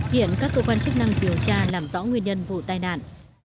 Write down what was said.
hiện các cơ quan chức năng điều tra làm rõ nguyên nhân vụ tai nạn